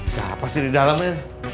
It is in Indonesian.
siapa sih di dalamnya